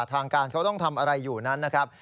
ทางการเขาต้องทำอะไรอยู่นั้นนะครับ